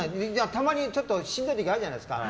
たまにしんどい時あるじゃないですか。